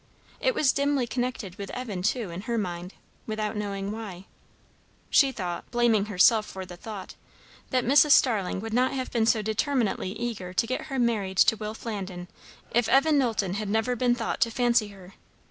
It was dimly connected with Evan, too, in her mind, without knowing why; she thought, blaming herself for the thought, that Mrs. Starling would not have been so determinately eager to get her married to Will Flandin if Evan Knowlton had never been thought to fancy her.